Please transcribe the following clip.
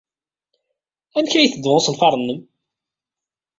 Amek ay la yetteddu usenfar-nnem?